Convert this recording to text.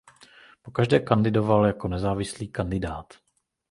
Pokaždé kandidoval jako nezávislý kandidát.